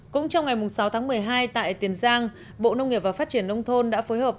cũng trong ngày sáu tháng một mươi hai tại tiền giang bộ nông nghiệp và phát triển nông thôn đã phối hợp